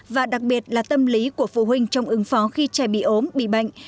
và đặc biệt là tâm lý của phụ huynh trong ứng phó khi trẻ bị ốm bị bệnh